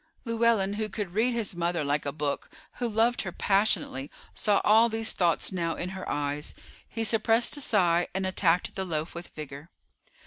Llewellyn, who could read his mother like a book, who loved her passionately, saw all these thoughts now in her eyes. He suppressed a sigh, and attacked the loaf with vigor.